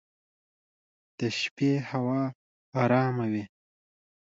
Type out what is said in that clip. د شپې هوا ارامه وي.